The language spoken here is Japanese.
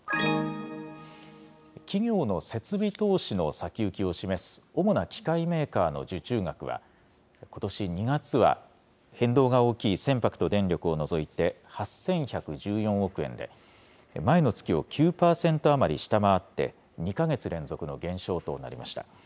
企業の設備投資の先行きを示す主な機械メーカーの受注額は、ことし２月は、変動が大きい船舶と電力を除いて８１１４億円で、前の月を９％余り下回って２か月連続の減少となりました。